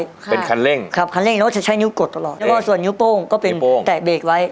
ค่ะเป็นคันเร่งครับคันเร่งเนอะจะใช้นิ้วกดตลอดแล้วก็ส่วนนิ้วโป้งก็เป็นโป้งแตะเบรกไว้